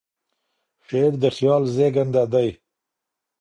شعر د خیال زېږنده دی.